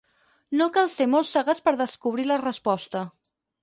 No cal ser molt sagaç per descobrir la resposta.